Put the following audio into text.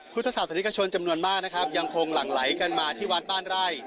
พุทธศาสนิกชนจำนวนมากนะครับยังคงหลั่งไหลกันมาที่วัดบ้านไร่